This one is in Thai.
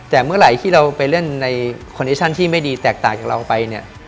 แต่เมื่อไหร่ที่เราไปเล่นในคอนเนชั่นที่ไม่ดีแตกต่างจากเราไปเนี่ย